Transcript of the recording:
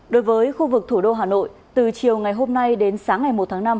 đối với khu vực thủ đô hà nội từ chiều ngày hôm nay đến sáng ngày một tháng năm